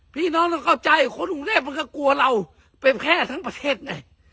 พี่น้องเราเข้าใจคนกรุงเทพมันก็กลัวเราไปแพร่ทั้งประเทศไง